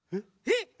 えっ？